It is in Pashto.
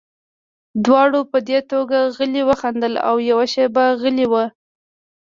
دواړو په دې ټوکه غلي وخندل او یوه شېبه غلي وو